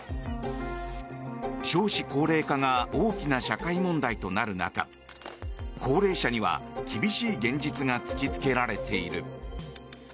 少子高齢化が大きな社会問題となる中高齢者には厳しい現実が突きつけられている。